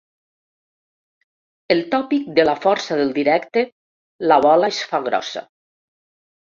El tòpic de ‘la força del directe’, la bola es fa grossa.